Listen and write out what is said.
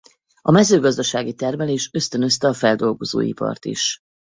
A mezőgazdasági termelés ösztönözte a feldolgozóipart is.